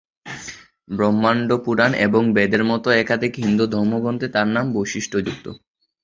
ব্রহ্মাণ্ড পুরাণ এবং বেদের মতো একাধিক হিন্দু ধর্মগ্রন্থে তাঁর নাম বৈশিষ্ট্যযুক্ত।